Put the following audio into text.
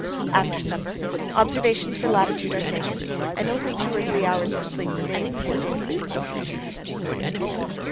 After supper, observations for latitude are taken, and only two or three hours for sleep remain before daylight.